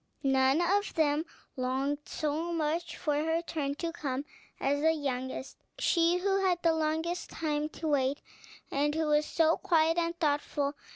None of them longed so much for her turn to come as the youngest, she who had the longest time to wait, and who was so quiet and thoughtful.